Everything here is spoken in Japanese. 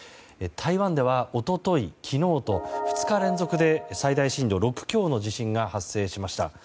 台湾では一昨日、昨日と２日連続で最大震度６強の地震が発生しました。